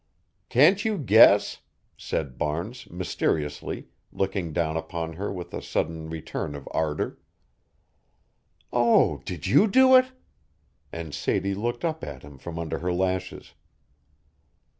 "Can't you guess?" said Barnes, mysteriously, looking down upon her with a sudden return of ardor. "Oh, did you do it?" and Sadie looked up at him from under her lashes.